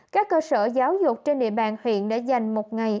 các cơ sở giáo dục trên địa bàn huyện đã dành một ngày